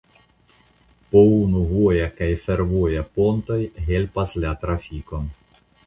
Po unu voja kaj fervoja pontoj helpas la trafikon.